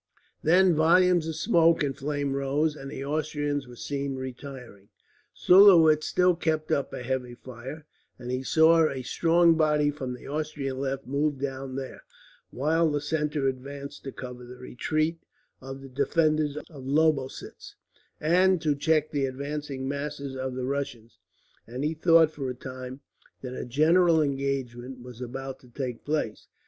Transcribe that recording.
Then volumes of smoke and flame rose, and the Austrians were seen retiring. Sulowitz still kept up a heavy fire, and he saw a strong body from the Austrian left move down there; while the centre advanced to cover the retreat of the defenders of Lobositz, and to check the advancing masses of the Prussians; and he thought, for a time, that a general engagement was about to take place.